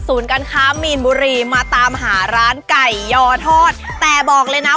การค้ามีนบุรีมาตามหาร้านไก่ยอทอดแต่บอกเลยนะ